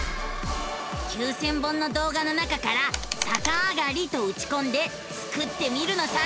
９，０００本の動画の中から「さかあがり」とうちこんでスクってみるのさ！